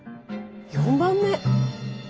４番目！